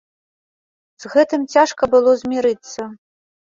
З гэтым цяжка было змірыцца.